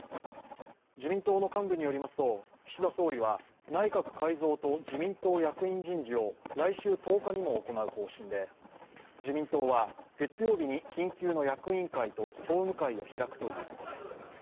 自民党の幹部によりますと岸田総理は内閣改造と自民党役員人事を来週１０日にも行う方針で自民党は月曜日に緊急の役員会と総務会を開くということです。